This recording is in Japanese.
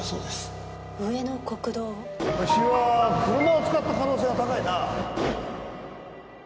ホシは車を使った可能性が高いな。